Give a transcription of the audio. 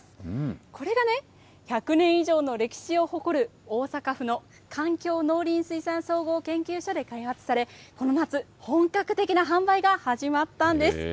これがね１００年以上の歴史を誇る大阪府の環境農林水産総合研究所で開発されこの夏、本格的な販売が始まったんです。